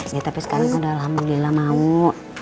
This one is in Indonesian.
iya tapi sekarang kan alhamdulillah mau